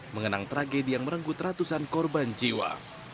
mengenang tragedi yang merenggut ratusan korban jiwa